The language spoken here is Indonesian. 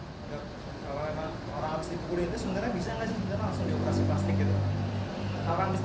kalau orang abis dipukul itu sebenernya bisa gak sih kita langsung di operasi plastik gitu